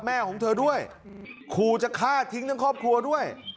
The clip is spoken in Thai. แม่ของเธอด้วยขู่จะฆ่าทิ้งทั้งครอบครัวด้วย